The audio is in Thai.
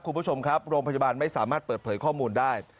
คุณผู้ชมครับโรงพยาบาลไม่สามารถเปิดเผยข้อมูลได้